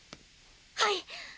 はい！